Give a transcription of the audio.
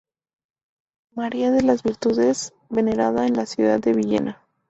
María de las Virtudes venerada en la ciudad de Villena.